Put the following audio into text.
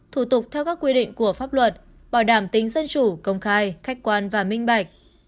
thủ tục theo các quy định của pháp luật bảo đảm tính dân chủ công khai khách quan và minh bạch